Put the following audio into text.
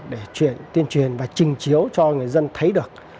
để tuyên truyền và trình chiếu cho người dân thấy được